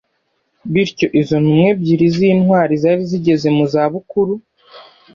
Bityo, izo ntumwa ebyiri z’intwari zari zigeze mu za bukuru